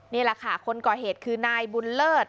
นี่แหละค่ะคนก่อเหตุคือนายบุญเลิศ